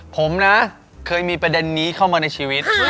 ผมนะเคยมีประเด็นนี้เข้ามาในชีวิต